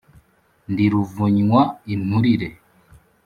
ndi ruvunywa inturire